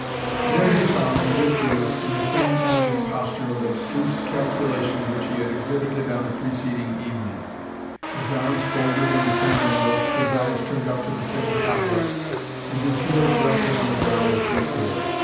There he found the Euphuist in the same elegant posture of abstruse calculation which he had exhibited on the preceding evening, his arms folded in the same angle, his eyes turned up to the same cobwebs, and his heels resting on the ground as before.